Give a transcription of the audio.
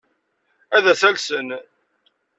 Ad as-alsen.